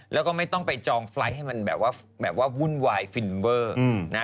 แล้วก็ไม่ต้องไปจองไฟล์ทให้มันแบบว่าแบบว่าวุ่นวายฟินเวอร์นะ